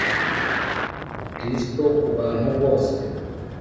Kristo ku bantu bose